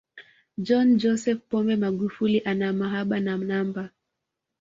john joseph pombe magufuli ana mahaba na namba